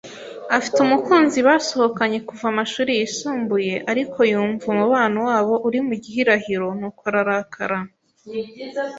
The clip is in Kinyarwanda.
Afite umukunzi basohokanye kuva amashuri yisumbuye, ariko yumva umubano wabo uri mu gihirahiro, nuko ararakara.